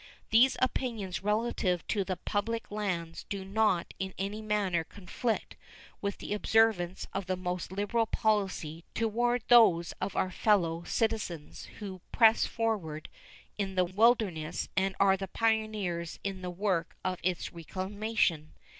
These opinions relative to the public lands do not in any manner conflict with the observance of the most liberal policy toward those of our fellow citizens who press forward into the wilderness and are the pioneers in the work of its reclamation.